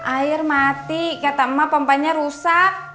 air mati kata emak pompanya rusak